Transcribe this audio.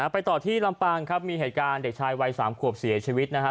ไปต่อที่ลำปางครับมีเหตุการณ์เด็กชายวัย๓ขวบเสียชีวิตนะฮะ